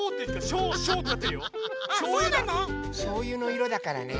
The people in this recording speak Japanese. しょうゆのいろだからね。